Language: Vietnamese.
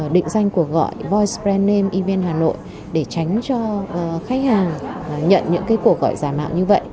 định danh cuộc gọi voice brand name evn hà nội để tránh cho khách hàng nhận những cái cuộc gọi giả mạo như vậy